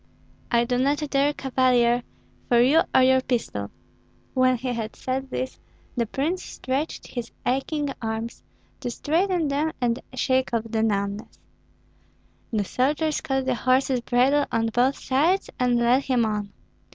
"I do not care, Cavalier, for you or your pistol." When he had said this, the prince stretched his aching arms, to straighten them and shake off the numbness. The soldiers caught the horse's bridle on both sides, and led him on.